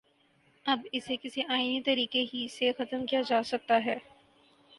اب اسے کسی آئینی طریقے ہی سے ختم کیا جا سکتا ہے۔